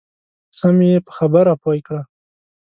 سم یې په خبره پوه کړه.